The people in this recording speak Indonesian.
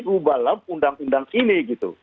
rubalah undang undang ini gitu